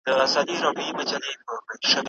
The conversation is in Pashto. پوهنتونونه د څېړونکو لپاره ځانګړي مقررات جوړوي.